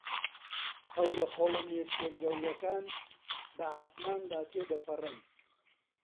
هەورە خۆڵەمێشییە گەورەکان بە ئاسماندا تێدەپەڕن.